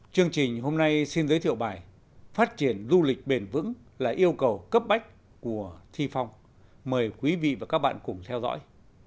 chương trình hôm nay xin giới thiệu bài phát triển du lịch bền vững là yêu cầu cấp bách của thi phong mời quý vị và các bạn cùng theo dõi